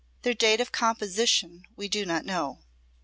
Their date of composition we do not know.